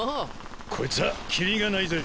こいつはキリがないぜ。